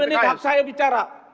tiga menit hak saya bicara